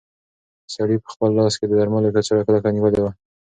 سړي په خپل لاس کې د درملو کڅوړه کلکه نیولې وه.